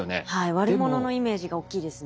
悪者のイメージが大きいですね。